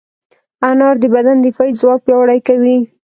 انار د بدن دفاعي ځواک پیاوړی کوي.